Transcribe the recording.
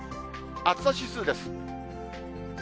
暑さ指数です。